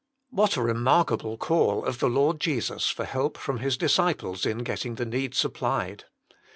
What a remarkable call of the Lord Jesus for help from His disciples in getting the need supplied.